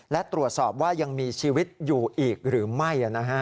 และตรวจสอบว่ายังมีชีวิตอยู่อีกหรือไม่